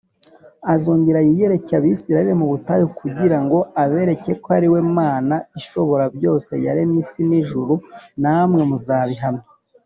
azongera yiyireke Abisirayeli mu butayu kugira ngo abereke ko ariwe Mana ishoborabyose yaremye isi n’ijuru namwe muzabihamya.